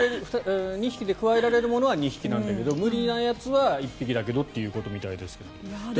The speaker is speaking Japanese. ２匹でくわえられるものは２匹なんだけど無理なやつは１匹だけどということみたいですけど。